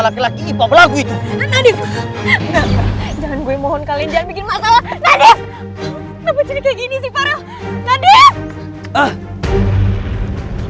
kenapa jadi kayak gini sih farah nadif